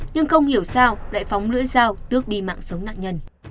nhưng không hiểu sao lại phóng lưỡi dao tước đi mạng sống nạn nhân